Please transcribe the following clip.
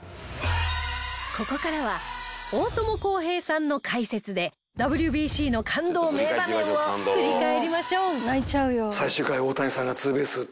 ここからは大友康平さんの解説で ＷＢＣ の感動名場面を振り返りましょう